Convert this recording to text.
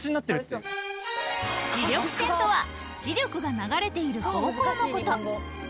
磁力線とは磁力が流れている方向のこと